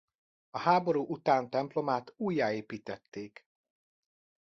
A háború után templomát újjáépítették.